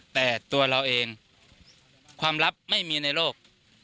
แต่ตัวเราเองความลับไม่มีในโลก